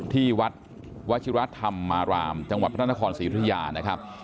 ที่วัดวชิระธรรมารามจังหวัดพระนครศรีธุยานะครับ